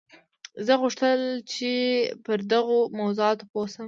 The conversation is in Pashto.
زه غوښتل چې پر دغو موضوعاتو پوه شم